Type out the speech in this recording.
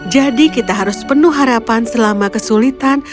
jadi kita harus penuh harapan selama kesulitan